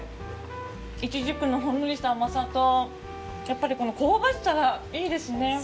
イチジクのほんのりした甘さとやっぱり香ばしさがいいですね。